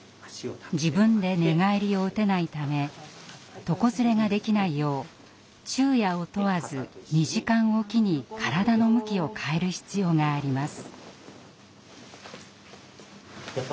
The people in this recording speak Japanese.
自分で寝返りを打てないため床ずれができないよう昼夜を問わず２時間置きに体の向きを変える必要があります。